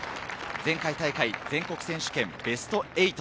前回大会、全国選手権ベスト８。